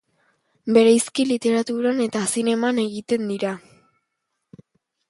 Bereziki literaturan eta zineman egiten dira.